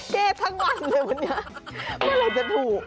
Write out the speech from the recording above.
แก้ทั้งวันเลยวันนี้เมื่อไหร่จะถูก